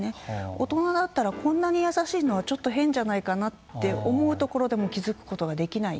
大人だったらこんなに優しいのはちょっと変じゃないかなって思うところでもなるほど。